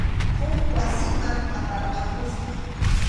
Huk wasiman aparqusqaku.